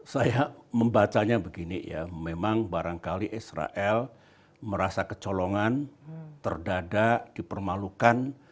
saya membacanya begini ya memang barangkali israel merasa kecolongan terdadak dipermalukan